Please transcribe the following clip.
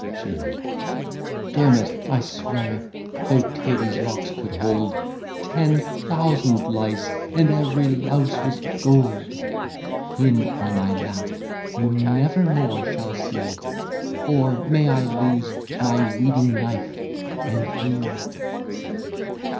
SHEELAH Dermot, I swear, though Tady's locks could hold Ten thousand lice, and every louse was gold; Him on my lap you never more shall see; Or may I lose my weeding knife and thee!